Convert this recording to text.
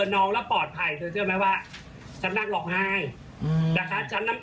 นะคะเราไว้ใจไม่ได้๑๐๐